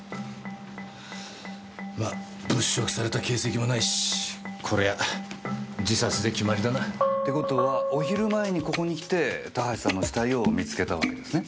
ま物色された形跡もないしこりゃ自殺で決まりだな。って事はお昼前にここに来て田橋さんの死体を見つけたわけですね？